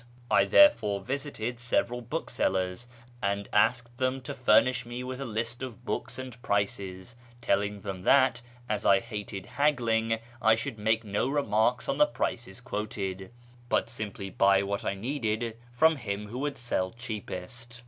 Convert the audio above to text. I therefore Adsited several booksellers and asked them to furnish me with a list of books and prices, telling them that, as I hated haggling, I should make no remarks on the prices quoted, but simply buy what I needed from him who w^ould sell cheapest.